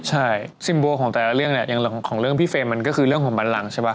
ใช่ซิมโวของแต่ละเรื่องเนี่ยอย่างของเรื่องพี่เฟรมมันก็คือเรื่องของบันลังใช่ป่